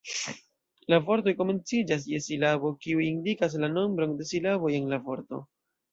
La vortoj komenciĝas je silabo, kiu indikas la nombron de silaboj en la vorto.